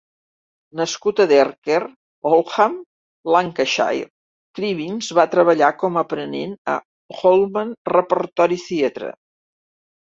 Nascut a Derker, Oldham, Lancashire, Cribbins va treballar com a aprenent a l'Oldham Repertory Theatre.